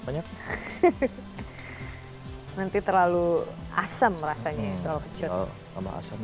nanti terlalu asam rasanya terlalu kecil